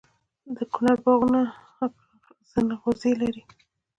د کونړ باغونه ځنغوزي لري.